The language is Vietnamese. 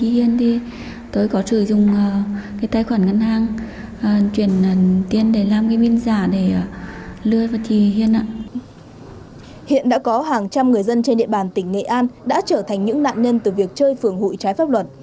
hiện đã có hàng trăm người dân trên địa bàn tỉnh nghệ an đã trở thành những nạn nhân từ việc chơi phường hụi trái pháp luật